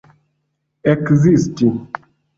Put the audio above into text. ekzisti